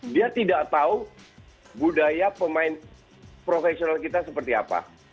dia tidak tahu budaya pemain profesional kita seperti apa